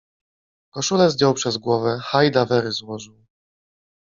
Koszulę zdjął przez głowę, hajdawery złożył